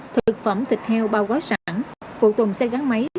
thực phẩm thịt heo bao gói sẵn phụ tùng xe gắn máy